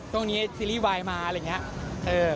ตรงนี้ซีรีส์วายมาอะไรอย่างเงี้ย